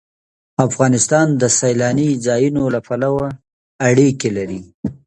افغانستان د سیلاني ځایونو له پلوه اړیکې لري.